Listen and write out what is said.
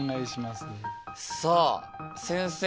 さあ先生